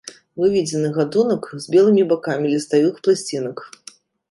Выведзены гатунак з белымі бакамі ліставых пласцінак.